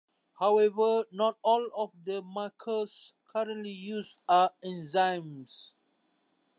However, not all of the markers currently used are enzymes.